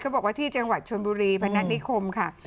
บอกว่าที่จังหวัดชนบุรีพนัฐนิคมค่ะ